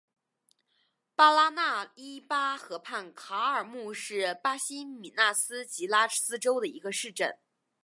巴拉那伊巴河畔卡尔穆是巴西米纳斯吉拉斯州的一个市镇。